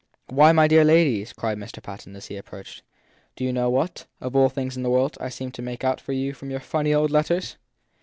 Why, my dear ladies, cried Mr. Patten as he approached, do you know what, of all things in the world, I seem to make out for you from your funny old letters?